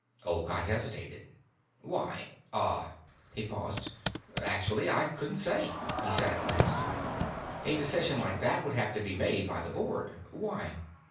Olcott hesitated. "Why ... ah " He paused. "Actually, I couldn't say," he said at last. "A decision like that would have to be made by the Board. Why?"